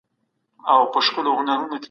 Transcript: دا وسیله تر هغې بلي تېره ده.